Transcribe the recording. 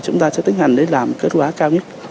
chúng ta sẽ tiến hành để làm kết quả cao nhất